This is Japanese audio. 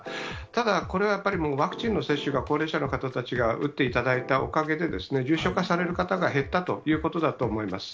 ただ、これはやっぱりもう、ワクチンの接種が、高齢者の方たちが打っていただいたおかげで、重症化される方が減ったということだと思います。